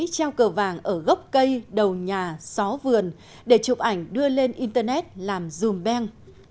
theo cơ vàng ở gốc cây đầu nhà xó vườn để chụp ảnh đưa lên internet làm zoom bang